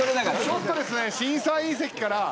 ちょっとですね審査員席から。